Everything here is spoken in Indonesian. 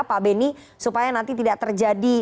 pak beni supaya nanti tidak terjadi